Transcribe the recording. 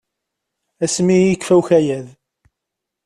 Asmi i yekfa ukayad.